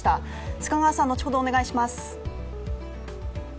須賀川さん、後ほどお願いします。